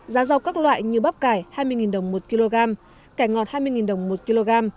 giá rau các loại như bắp cải hai mươi đồng một kg cải ngọt hai mươi đồng một kg